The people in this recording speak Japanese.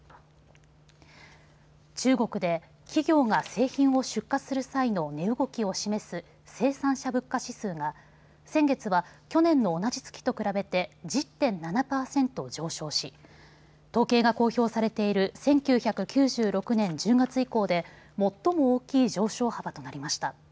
中国で企業が製品を出荷する際の値動きを示す生産者物価指数が先月は去年の同じ月と比べて１０．７％上昇し統計が公表されている１９９６年１０月以降で最も大きい上昇幅となりました。